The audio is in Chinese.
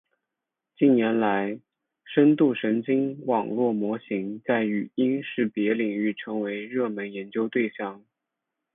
近年来，深度神经网络模型在语音识别领域成为热门研究对象。